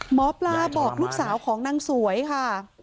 หมอปลาบอกลูกสาวของนางสวยค่ะ